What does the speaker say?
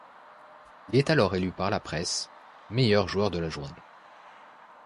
Il est alors élu par la presse meilleur joueur de la journée.